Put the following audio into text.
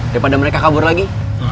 daripada mereka kabur lagi